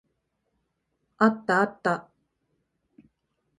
あったあった。